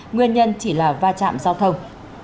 nguyên nhân chỉ là va chạm giao thông